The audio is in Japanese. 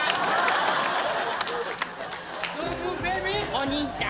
お兄ちゃん。